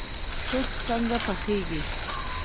توت څنګه پخیږي؟